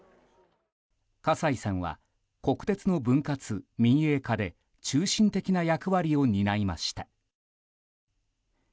葛西さんは国鉄の分割・民営化で中心的な役割を担いました。